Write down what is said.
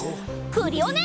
クリオネ！